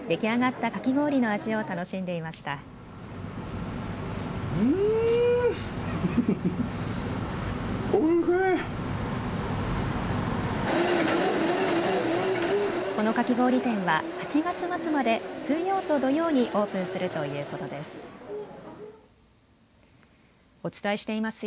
このかき氷店は８月末まで水曜と土曜にオープンするということです。